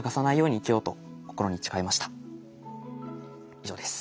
以上です。